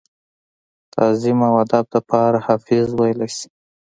تعظيم او ادب دپاره حافظ وئيلی شي ۔